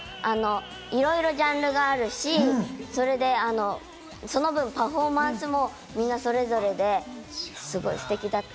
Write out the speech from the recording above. いろいろジャンルがあるし、その分パフォーマンスもみんなそれぞれで、すごいステキだった。！